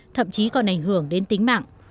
thậm chí còn ảnh hưởng đến tính mạng